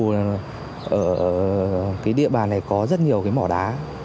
ở địa bàn này có rất nhiều mỏ đá